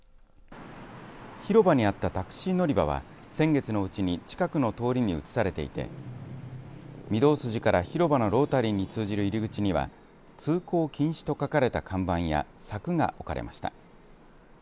広場にあったタクシー乗り場は先月のうちに近くの通りに移されていて御堂筋から広場のロータリーに通じる入り口には通行禁止と書かれた看板や柵が置かれました。